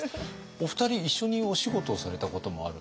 お二人一緒にお仕事をされたこともある？